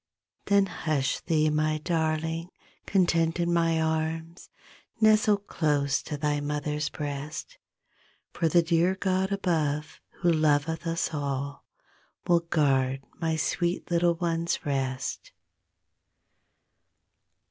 Then hush thee my darling Content in my arms, Nestle close to thy mother's breast; For the dear God above Who loveth us all Will guard my sweet little ones rest.